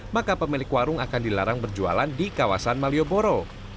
maka pemilik warung akan dilarang berjualan di kawasan malioboro